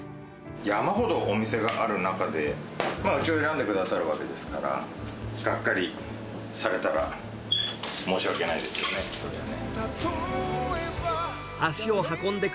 山ほどお店がある中で、まあうちを選んでくださるわけですから、がっかりされたら申し訳ないですよね、そりゃね。